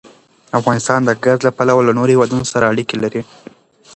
افغانستان د ګاز له پلوه له نورو هېوادونو سره اړیکې لري.